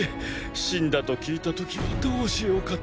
死んだと聞いた時はどうしようかと！